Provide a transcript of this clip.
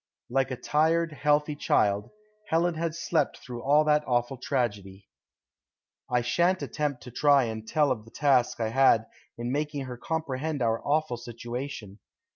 Like a tired, healthy child, Helen had slept through all that awful tragedy. I shan't attempt to try and tell of the task I had in making her comprehend our awful situation.